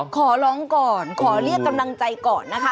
ขอร้องก่อนขอเรียกกำลังใจก่อนนะคะ